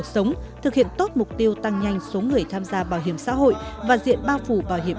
sống thực hiện tốt mục tiêu tăng nhanh số người tham gia bảo hiểm xã hội và diện bao phủ bảo hiểm